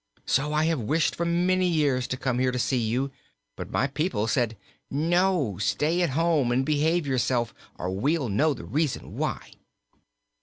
So I have wished for many years to come here to see you, but my people said: 'No! Stay at home and behave yourself, or we'll know the reason why.'"